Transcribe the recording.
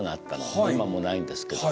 今もうないんですけど。